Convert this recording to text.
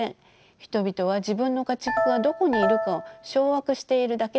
人々は自分の家畜がどこにいるかを掌握しているだけです。